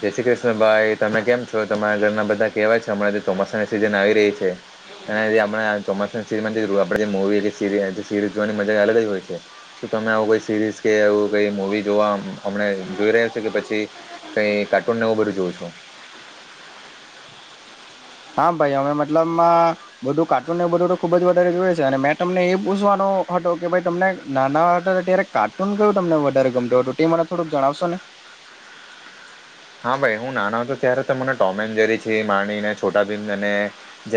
જય શ્રી કૃષ્ણ ભાઈ તમે કેમ છો તમારા ઘરના બધા કેવા છે હમણાં તો ચોમાસા ની સીઝન આવી રહી છે અને જે આમળા ચોમાસમાં આપવી મુવી એટલે સરીઝ જોવાની મજા અલગ હોય છે. તમે આવું કોઈ સિરીઝ કે એવું કઈ મૂવી જોવા અમને જોઈ રહ્યા છે કે પછી કઈ કાર્ટૂન ને એવું બધું જોઉં છો હા ભાઈ અમે મતલબ બધું કાર્ટૂનને બધું તો ખુબ જ વધારે જોય છે અને મેં તમને એ પૂછવાનું હતો કે ભાઈ તમને નાના હતા ત્યારે કાર્ટૂન કયું તમને વધારે ગમતું હતું તે મને થોડુંક જણાવશો ને? [inaudible] હા ભાઈ હું નાનો હતો ત્યારેને ટોમેન્જરી માને છોટા ભી જ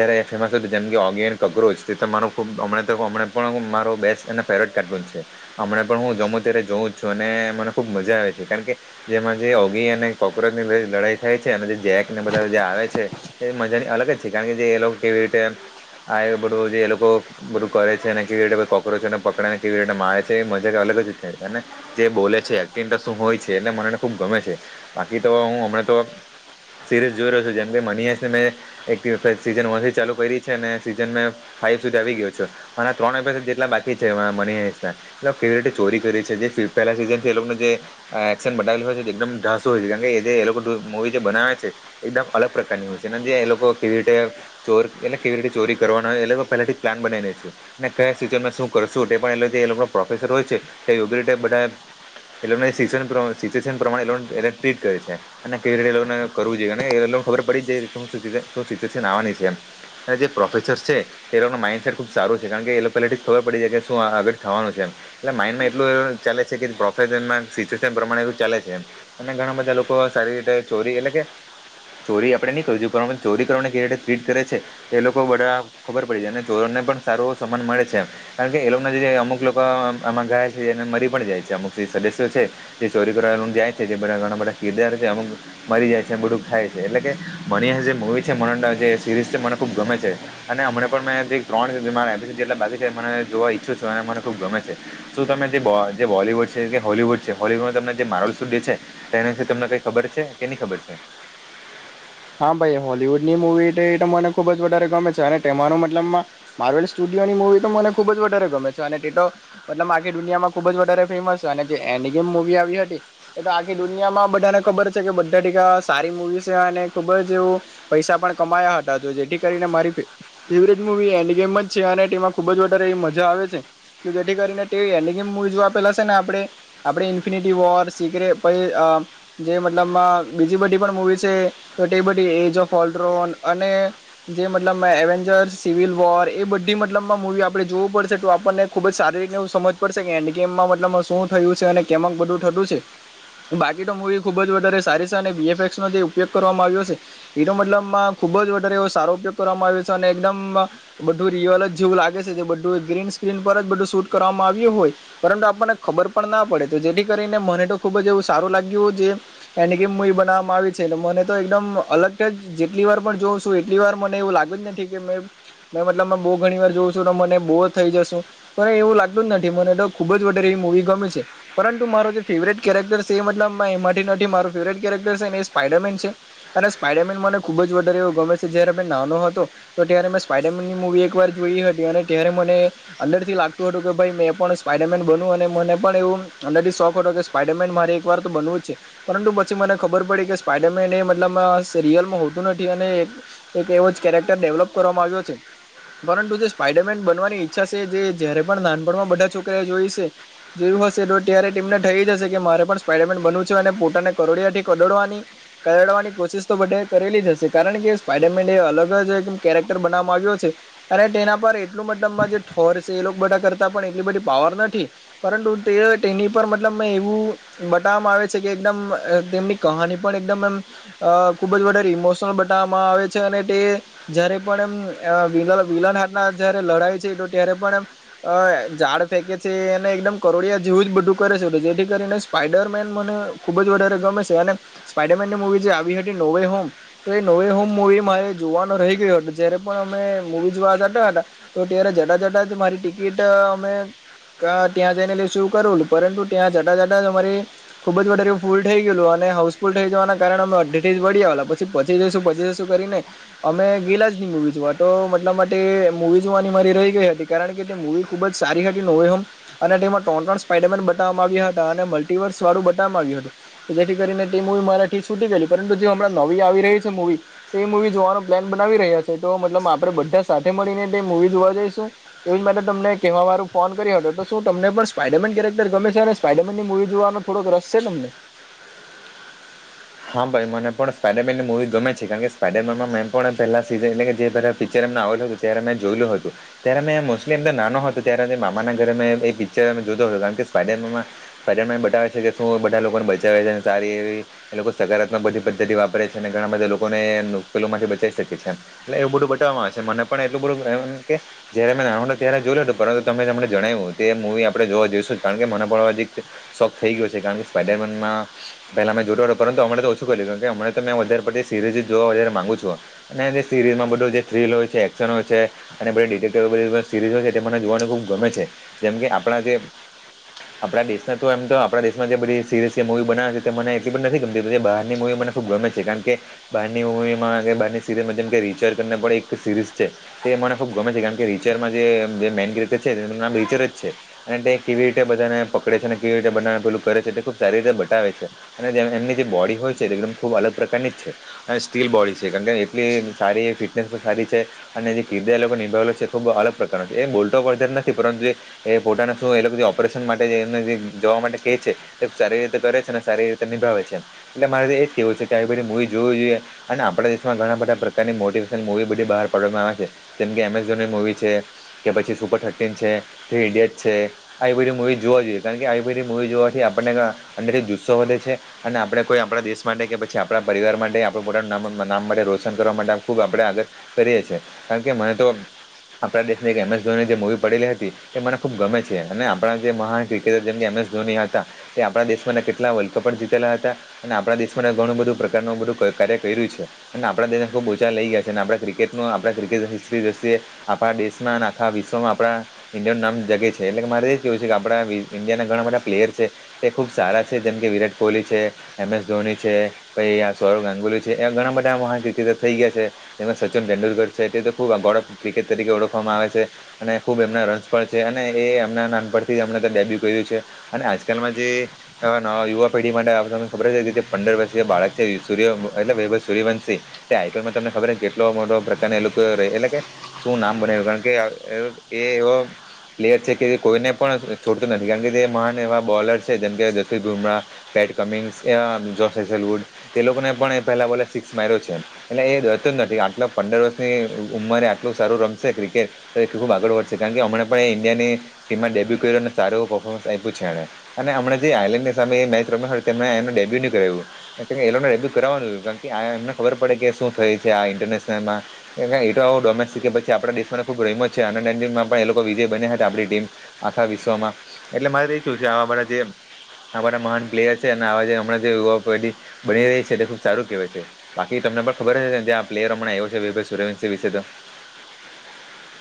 જેમ ઓગી કોક્રોચરો તે તો મારો હમણાં પણ મારો બેસ્ટ અને ફેવરેટ કારૂન છે. હમણાં પણ હું જમું ત્યારે જોઉું જ છું અને મને ખુબ મજા આવે છે કારણ કે જેમાં જે ઓગી અને કોક્રોચ ની લડાઈ થાય છે અને જે જેક ને બધા જે આવે છે એ મજાની અલગ જ છે કારણ કે જે એ લોકો કેવી ટે આ બધું જે એ લોકો બધું કરે છે ને કેવી રીતે કોક્રોચને પકડેને કેવી રીતે મારે છે મજા જે બોલે છે એકટિંગ શું હોય છે એટલે મને ખુબ ગમે છે બાકી તો હું હમણાં તો સિરીઝ જોઈ રહ્યો છ જેમ કે મની ને મે સીથી ચાલુ કરી છે સીઝન મે ફાઈવ સુધી આવી ગયો છો ત્રણ જેટલા બાકી છે મ ચોરી કરી છે. પેલા સીઝન થી એ લોકોને જેક્શન બલું હોય એકમ ધાસુ હોય છે કારણ જે લોકો મુવી જે બનાવે છે એકદમ અલગ પ્રકારની હોય છે અને જે એ લોકો કેવી રીતે ચોર એટલે કેવી રીતે ચોરી કરવાનો હોય એટલે તો પહેલાંથી પ્લાન બનાવીને છે અને કયા ફ્યુચરમાં શું કરશું એ તે પણ એટલે તે લોકો પ્રોફેસર હોય છે તે યોગ્ય રીતે બધ એ લોકોને સિચ્યશન પ્રમાણે ટ્રીટ કરે છે અને કેવી રીતે એ લોકોને કરવું જોઈએ અને એ લોકોને ખબર પડી જાય શ સશન આવવાની છે. જે પ્રોફેસર્ છે એ લોકો માઇન્ડસેટ ખુબ સારું છે કારણ કે એ લોકો પલા ખબર પડી જાય કે શું આગળ થવા [unintelligible] એટલું એવુ ચાલે છે પ [unintelligible] માં સીટુએશન પ્રમાણે ચાલે છે અને ઘણા બધા લોકો સારી રીતે ચોરી એટલે કે ચોરી આપણેે નહીં કર છું પરંત ચોરી કરવાને કેવી રીતે ટ્રીટ કરે છે એ લોકો બધા ખબર પડી જાય અને ચોરો સારું સમાન મળે છેણ કે એ લોકો જે અમુક લોકો આમાં ગાય છેને મરી પણ જાય છે અમુક જે સદસ્ય છે તે ચોરી કરને જાય જે બધા ઘણા બધા કિરદારો છે અમુક મરી જાય છે બધું થાય છે એટલે કે મની જે મવી છે મ જે સિરીઝ છે મને ખૂબ ગમે છે અને હમને પણ મેં જે ત્રણ મારા એમપીસી જેટલા બાકી છે મને જોવા ઈચ્છું મને ખુબ ગમે છે શું તમે જે જે બોલીવુડ છે કે હોવુડ છે હોવુડ તમને જે માર છે એના વિશે તમને કઈ ખબર છે કે નહી ખબર છે. હા ભાઈ હોલવુડ ની મુવી મને ખુબ જ વધારે ગમે છે અને તે મતલબ માર્વેલ સુ મવી તો મને ખુબ જ વધારે ગમે છે અને તે તો મતલબ આર્ દુનિયા માં ખુબ જ વધારે ફેમસ છે અને જે એમ મુવી આવી હતી એ તો આખી દુનિયામાં બધાને ખબર છે કે બધા ટીકા સારી મુવી છે અને ખબ એવ પૈસા પણ કમાયા હતા તો જેથી કરીને મારી ફવટ મુવી એ ગમ છે. ટીમાં ખુબ જ વધારે એવી મજા આવે છે. જેથી કરીને તે [unintelligible] આપેલા છે ને આપણે આપડે ઇન્ફિનિટી વોર સીરે પ જે મતલબ બીજી બધી પણ મુવી છે તો બધી એજ ઓફ ઓલડ્રોન અને જે મતલબ એવેન્જર સિવિલ વોર એ બધી મતલબ માં મુવી આપણે જોવું પડશે તો આપણને ખુબ જ સારી રીતને સમજ પડશે કે એનીગેમમાં મતલબ શું થયું છે અને કેમક બધું થતું છે બાકી તો મૂવી ખૂબ જ વધારે સારીસ અને વીએફએક્સનો જે ઉપયોગ વામાં આવ્યો છે એનો મતલબ ખુબ જ વધારે એવ સારો ઉપયોગ કરવામાં આવ્યો છે અને એકદમ બધું રીયલ જ જેવું લાગે છે જે બધું ગ્રીન સ્ક્રીન પર જ બધું શૂટ કરવામાં આવ્યું હોય પરંતુ આપણને ખબર પણ નથી પડે તો જેથી કરીને મને તો ખુબ જ એવું સારું લાગ્યું એ કે બનાવવામાં આવી છે મને તો એકદમ અલગ જ જેટલી વાર પણ જોઉં છું એટલી વાર મને એવું લાગ્યું જ નથી કે મે મે મતલબ બહુ ઘણી વાર જોઉં છું તો મને બહુ થઈ જશું પણ એવું લાગતું જ નથી મને તો ખુબ જ વ ગમે છે પરંતુ મારો જે ફવક્ટર છે એ નથી મારો ફેવરે કેક્ટરને સ્પાઇડરમેન છે. અને સ્પાઈડરમેન મને ખુબ જ વધારે એવો ગમે છે જયારે મે નાનો હતો તો ત્યારે મેં સ્પાઈડરમેનની મુવી એક વાર અને ત્યારે મને અંદર થી લાગતું હતું કે ભ મે પણ સ્પાઈડરમેન બન્યું અને મને પણ એવું અંદરથી શોખ હતો કે સ્પાઈડરમેન મારે એક વાર તો બનવું જ છે પરંતુ પછી મને ખબર પડી કે સ્પાઈડરમેન એ એટલે સ રિયલમાં હોતું નથી અને એક એવો જ કેરેક્ટર ડેવલપ કરવામાં આવ્યો છે પરંતુ જે સ્પાઈડરમેન બનવાની ઈચ્છા છે જે જયારે પણ નાનપણમાં બધા છોકરા જોઈ છે જે હશે તો ત્યારે ટીમને થઈ જશે કે મારે પણ સ્પાઈડરમેન બનવું છે અને પોતાને કરોડિયા થી કડવાની કરડવાની કોશિશ તો બધ કરેલી જ હશે કારણ કે સ્પાઈડરમેન એ અલગ જ એક કેરેક્ટર બનાવામાં આવ્યો છે કાર તેના પર એટલ મતલબમાં જે ઠોર છે એ બધા કરતા પણ એટલી બધી પાવર નથી પરંતુ તે ની મતલબ એવું બતાવામાં આવે છે કે એકદમ તેમની કહાની પણ એકદમ એમ અ ખુબ જ વધારે ઇમોશનલ બનાવવામાં આવે છે અને તે જયારે પણ એમ વિનર જયારે લડાય છે તો ત્યારે પણ એમ ઝાડ ફેકે છે એને એકદમ કરોડિયા જેવું જ કરે છે જેથી કરીને સ્પાઈડરમેન મને ખુબ જ વધારે ગમે છે અને સ્પાઈડરમેનની મુવી જે નોવે હોમ તો એ નોવે હોમ મુવી મારે જોવાનો રહી ગયો હતો જયારે પણ અમે મુવી જોવા [unintelligible] તો ત્યારે જતા જતા જ મારી ટિકિટ અમે [unintelligible] ત્યાં જઈને એલે શું કરું પરંતુ ત્યાં જતા જતા તમારે ખુબ જ વધારે ફૂલ થઈ ગયેું અને હાઉસફુલ થઈ જવાના કારણે અમે [unintelligible] વળીલા પછી પી જશું પચી જશું કરીને અમે ગેલા જ ની મૂવી છું તો મતલબ માટે મુવી જોવાની મારી રહી ગઈ હતી કારણ કે તે મવી ખુબ જ સારી હતી હોયમ અને તેમાં ટો ટો સ્પડરમે બવામાં આવ્યા હતા અને મલ્ટીિવર્સ વાળું બતાવામાં આવ્યું હતું જેથી કરીને તે મુવી મારાથી છૂટી ગય પરંતુ જે હમણાં નવી આવી રહી છે મૂવી તો એ મૂવી જોવાનો પ્લાન બનાવી રહ્યા છે તો મતલબ આપણે બધા સાથે મૂવી જોવા જઈશું એ માટે તમને કેવા વારું ફોન કરયો હતો તો શું તમને પણ સ્પાઈડરમેન અંદર ગમે છે અને સ્પાઈડરમેનની મૂવી જોવાનો થોડક રસ છે ને અમને [inaudible] હા ભાઈ મને પણ સ્પાઈડરમેનની મૂવી ગમે છે કારણ કે સ્પાઈડરમેનમાં મેં પણ પહેલા સીઝન એટલે કે જે પહેલા પિક્ચર એમ ત્યારે મે જોયલુ હતું ત્યારે મે મોસ્ટલી એમ નાનો હતો ત્યારે મામા ના ઘરે મેં એ પિક્ચર જો [unintelligible] સ્પાઇડરમેન બતાવે છે જે બધા લોકો ને બચાવે છે જે સારી એ લોકો સકારાત્મક બધી પદ્ધતિ વાપરે છે અને ઘણા બધા લોકોને મુશ્કેલી થી બચી શકે છે એટલે એવું બધું બટ મને પણ એટલું બધું [unintelligible] મને પણ આટલુ બધુ જોયું હતું પરંતુ તમને જણાવ્યું તે મુવી આપ જોવા જોઈશું કારણ કે મને પણ એક શોખ થઈ ગયો છે કારણ કે સ્પાઈડર મેનમાં પેલા મેં જોતો પરંતુ હમણાં તો ઓછું કરી લીધું કેમ તો મેં વધારે પડતી સીરીઝ જોવા વધારે માંગુ છું અને જે સીરીઝમાં બધ જે થ્રી હોય છે એક્શન હોય છે અને બધ ડિટેક્ટરો સીરીઝ હોય છે તે મને જોવાનું ખૂબ ગમે છે જેમ કે આપણા [unintelligible] આપણા દેશ તો એમ તો આપણા દેશમાં જે બધી સીરયસ મુવી બનાવે છે મને એટલી પણ નથી બહારની મુવી મને ખુબ ગમે છે કારણ કે બારની મુવીમાં બહારની સીરીમાં જેમ રીચર છે તે મને ખુબ ગમે છે કારણ કે રીચર જે મેઈન છે નામ રીચર જ છે કેવી રીતે બધાને પકડે છે કેવી રીતે બધાને પેલું કરે છે ખુબ સારી રીતે બતાવે છે અને જે એમની જે બોડી હોય છે એકદમ ખૂબ અલગ પ્રકારની જ છે અને સ્ટીલ બોડી છે કારણ કે એટલી સારી ફિટનેસ સારી [unintelligible] અને જે કિરદાર નિભાવે છે ખબ અલગ પ્રકારનો છે એ બોલતો પડ નથી પરંતુ એ પોતાના શું એ લોકો ઓપરેશન માટે એને જવા માટે કે છે એ સારી રીતે કરે છે ને સારી રીતે નિભાવે છે એટલે મારે એ જ કેવું છે કે આવી બધી મુવી જોવી જોઈએ અને આપણા દેશમાં ઘણા બધા પ્રકારની મોટિવેશનલ મુવી બધી બહાર પાડવામાં આવે છે જેમ કે એમેઝોનની મુવી છે કે પછી સુપર થર્ટીન છે થ્રી ઇડિયટ્ છે આી મુવી જોવા જોઈએ કારણ કે આપી મુવી જોવાથી આપણને અંદર થી જુસ્સો વધે છે અને આપણે કોઈ આપણા દેશ માટે કે પછી આપણા પરિવાર માટે આપણું પોતાનું નામ [unintelligible] નામ માટે રોશન કરવા માટે ખૂબ આપણે આગળ કરીએ છે કારણ કે મને તો આપણા દેશની એક એમસ ધોની જે મુવી પડેલી હતી એ મને ખુબ ગમે છે અને આપણા જે મહાન ક્રિકેટર જેમકે [unintelligible] ધોની હતા તે આપણા દેશમાં કેટલા વર્લ્ડ કપ જી [unintelligible] હતા અને આપણા દેશ ઘણું બધું પ્રકારનું બધું કાર્ય કર્યું છે અને આપણા દેશને ખુબ ઊંચા લઈ ગયા છે અને આપણે ક્રિકેટનો આપણા ક્રિકેટ હિસ્ટ્રી જોશે આપણા દેશમાં અને આખા વિશ્વમાં આપણા ઇન્ડિયાનું નામ જગે છે એટલે મારે એ જ કેવું છે કે આપણા ઇન્ડિયાના ઘણા બધા પ્લેયર છે તે ખૂબ સારા છે જેમ કે વિરાટ કોહલી છે એમ એસ ધોની છે પછી આ સૌરભ ગાંગુલી છે એવા ઘણા બધા મહાન ક્રિકેટર થઈ ગયા છે જેમાં સચિન તેડુલકર છે એટલે તો ખુબ ગોડ ઓફ ક્રિકેટ તરીકે ઓળખવામાં આવે છે અને ખુબ એમના રસ પણ છે એમના નાનપણથીમ ડેબ્યુ કર્યું છે અને આજકાલમાં [unintelligible] જે યુવા પેઢી માટે ખબર કે પંદર વર્ષીય બાળક છે એ વૈભવ સૂર્યવંશી તે આઈ પી એલ માં તમને ખરને કેટલો મોટો પ્રકારને એ લોકો એટલે કે શું નામ બના્યું કારણ કે એ પ્લેયર છે કે કોઈને પણ છોડતું નથી કારણ કે જે મહાન એવા બોલર છે જેમ કે Jasprit Bumrah Pat Cummins Josh Hazlewood એ લોકોને પણ પહેલા બોલે સિક્સ માર્યો છે એટલે એ એટલે પંદર વર્ષની ઉંમરે આટલું સારું રમશે ક્રિકેટ તો એ ખુબ આગળ વધશે કારણ કે હમણાં પણ એ ઇન્ડિયાની ટીમમાં ડેબ્યુ કર અને સારું પર્ફોર્ન્સ આપ્યું છે એ અને આપમણે જે આયર્લેન્ડની સામે મે એ ડેબ્યુ ન કર્યુંને ડેબ્યુ કરવાનું કારણ કેમને ખબર પડે કે શું થાય છે આ ઇન્ટરનેશનલમાં એ ડોમેસ્ટિક કે પછી આપણા દેશ ખુબ રહીમત છે અંડર નાન્ટમાં પણ એ લોકો વિજય બન્યા હતા આપ ટીમ આખા વિશ્વમાં એટલે મારેું છે જે આ મહાન પ્લેયર છે અને આવા જે હમણાં જે યુવાડી બની રહી છે તે ખુબ સારું કહેવાય છે બાકી તમને પણ ખબર હ આ પ્લેયર હમણાં આવ્યો છે વિભ સુ રવિંદ્રસિંહ વિશે તો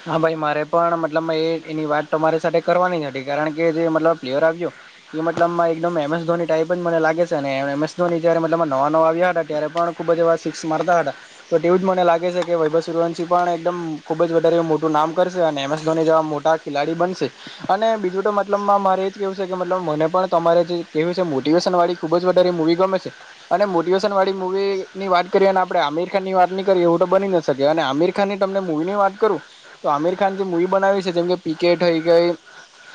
હા ભાઈ મારે પણ મતલબ એ એની વાત તો મારી સાથે કરવાની જ હતી કારણ કે, જે મતલબ પ્લેયર આવ્યો. એ મતલબમાં એકદમ એમએસ ધોની ટાઈપ જ મને લાગે છે ને એમસ ધોની જ મત નવા નવા હતા તત્યારે પણ ખબ જ એવા મારતા હતા તો એવું જ મને લાગે છે કે વૈભ રવનશિહ પણ એકદમ ખુબ જ મોટું નામ કરશે અને એમસ ધોની જેવા મોટા ખેલાડી બનશે અને બીજું તો મતલબમાં મારે એજ કેવ છે. લબ મને પણરે મોટેશન વાળ ખુબ જ વધારે મવી ગમે છે અને મોટેશન વાળ, વી ની વાત કરીએ અને આપણે આમીર ખાન ની વાત ન કરીએ એવું તો બની ના શકીએ અને આમીર ખાન ની તમને મુવી ની વાત કરું તો આમીર ખાન જે મુવી બનાવી છે જેમ કે પિકેટય ગઈ.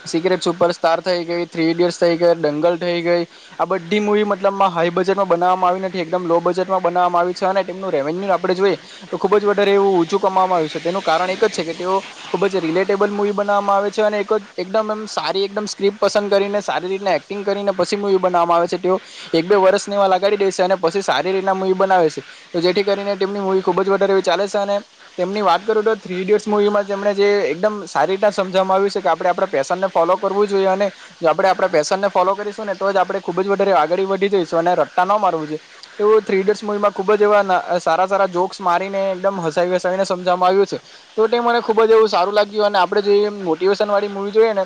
સિક્રેટ સુપરસ્ટાર થઈ ગઈ થ્રી ઈડિયટ્સ થઈ ગઈ દંગલ થઈ ગઈ આ બધી મુવી મતલબમાં હાઈ બજેટમાં બનાવવામાં આવી્યું નથી એકદમ લો બજેટમાં બનાવવામાં આવી્યું છે અને તેમનું રેવન્યુ આપણે જોઈએ તો ખૂબ જ વધારે ઓછું કવામાં આવ્યું છે તેનું કાર એક જ છે કે તેઓ ખૂબ જ રિલેટેબલ મવી બનાવામાં આવે છે અનેમમ સારી એકમ સ્કિપ, પસ કરી સારી રી એક્ટિંગ કરીને પછી મવી બનાવામાં આવે છે તેઓ એક બે વર્ષને એ લગાડી દે છે અને પછી સારી રીતના મૂવી બનાવે છે તો જેથી કરીને તેમની મૂવી ખુબ જ વધારે એવી ચાલે છે અને તેમની વાત કરું તો થ્રી ઇડિયટ્સ મૂવીમાં તેમણે જે એકદમ સારી રીતના સમજવામાં આવ્યું છે કે આપણે આપણા પેશનને ફોલો કરવું જોઈએ અને જો આપણે આપે પેશન ને ફોલો કરીશું ને એ તો જ આપણેે ખુબ જ વધારે આગળી વધી જઈશું અને રટ્ટતા ન મારવું જોઈએ એવ થ્રી ઇડર્સ મુવીમાં ખુબ જ એવા સારા સારા જોક્સ મારીને એકદમ હસાવી વસીને સમજવામાં આવ્યું છે તો મને ખુબ જ એવું સારું લાગ્યું અને આપણે જો મોટિવેશન વાળી મુવી જોઈએ ને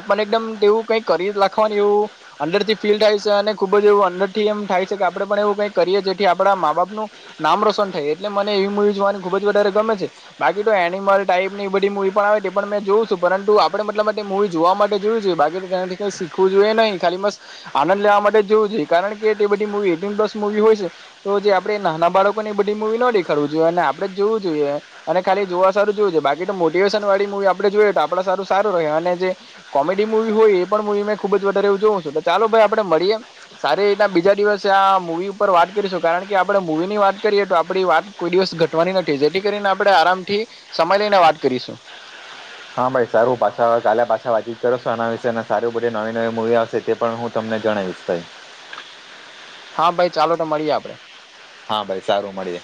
આપ એકદમ એવું કઈ કરી રાખવાનું એવું અંડરથી ફિલ્ડ આવે છે અને ખુબ જ એવું અડર થી એ થાય છે કે આપણે પણ એવું કંઈ કરીએ જેથી આપણા મા બાપનું નામ રોશન થાય એટલે મ એવી મૂવી જોવાની ખુબ જ વધારે, ગમે છે. બાકી તો એનિમલ ટાઈપ ની એ બધી મુવી પણ આવે પણ મેં જોઉું છું પરંતુ આપડે મતલબ મુવી જોવા માટે જોયું છે. બાકી તેનાથી ક શીખવું જોઈએ નહી ખાલી બસ આનંદ લેવા માટે જ જોવું જોઈએણ કે, બધીસ મુવી હોય છે તો જે આપણેે નાના બાળકો ને એ બધી મુવી ન દેખાડવું જોઈએ. અને આપણે જ જોવું જોઈએ. અને ખાલી જોવા સારું જોવું છે બાકી તો મોટિવેશન વાળી મવી આપડે જોયએ તો આપણા સારું સારું રહે અને જે કોમેડી વી હોય એ પણવી મેં ખુબ જ વધારે એવું જોઉું છું. ચાલો ભાઈ આપડે મળીએમ સારી એ બીજા દિવસે મૂવી ઉપર વાત કરીશું કારણ કે આપણે મૂવી ની વાત કરીએ તો આપણી વાત કોઈ દિવસ ઘટવાની નથી જેથી કરીનેણે, આપણે આરામથી સમય લઈને વાત કરીશું. હા ભાઈ સારું ભા કા ભાસાા વાજી. સ્ના છે અને સાર બધી નવી નવી મુૂવી આવશે તે પણ હું તમને જણાવીશ ભાઈ હા ભાઈ ચાલો તો મળીએ આપડે, હા ભાઈ સારું મળી